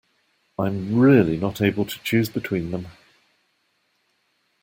I'm really not able to choose between them.